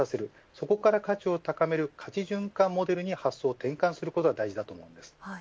そこから価値を高める価値循環モデルに発想を転換することが大事です。